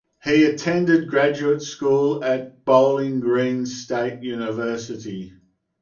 He attended graduate school at Bowling Green State University.